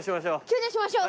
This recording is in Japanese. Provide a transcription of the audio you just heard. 救助しましょう。